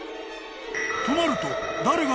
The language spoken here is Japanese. ［となると］